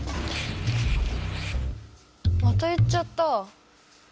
また行っちゃった。